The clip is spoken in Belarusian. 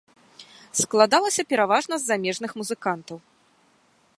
Складалася пераважна з замежных музыкантаў.